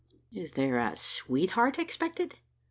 Is there a sweetheart expected?